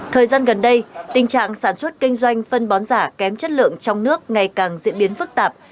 thời gian gần đây tình trạng sản xuất kinh doanh phân bón giả kém chất lượng trong nước ngày càng diễn biến phức tạp